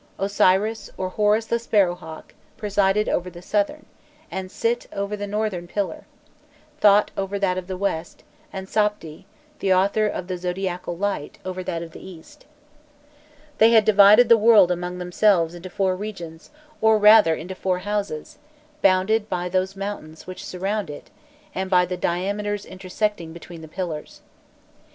Osiris, or Horus the sparrow hawk, presided over the southern, and Sit over the northern pillar; Thot over that of the west, and Sapdi, the author of the zodiacal light, over that of the east. They had divided the world among themselves into four regions, or rather into four "houses," bounded by those mountains which surround it, and by the diameters intersecting between the pillars.